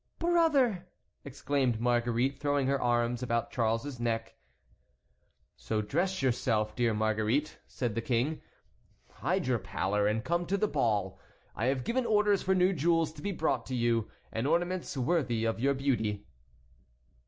"Brother!" exclaimed Marguerite, throwing her arms about Charles's neck. "So dress yourself, dear Marguerite," said the King, "hide your pallor and come to the ball. I have given orders for new jewels to be brought to you, and ornaments worthy of your beauty."